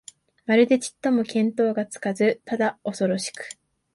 まるでちっとも見当つかず、ただおそろしく、